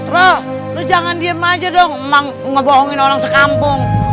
roh lo jangan diem aja dong emang ngebohongin orang sekampung